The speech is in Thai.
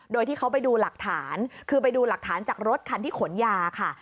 โดยที่เขาไปดูหลักฐานคือไปดูหลักฐานจากรถคันที่ขนยาค่ะ